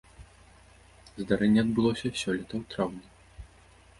Здарэнне адбылося сёлета ў траўні.